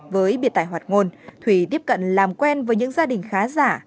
với biệt tài hoạt ngôn thủy tiếp cận làm quen với những gia đình khá giả